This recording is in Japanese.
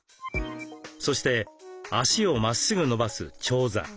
そして足をまっすぐ伸ばす長座。